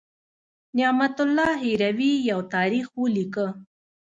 نعمت الله هروي یو تاریخ ولیکه.